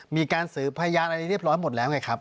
มีการสื่อพยานอะไรเรียบร้อยหมดแล้วไงครับ